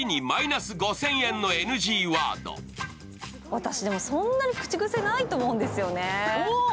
私でも、そんなに口癖ないと思うんですよね。